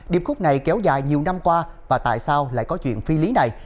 điệp khúc này kéo dài nhiều năm qua và tại sao lại có chuyện phi lý này